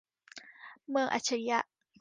เมืองอัจฉริยะ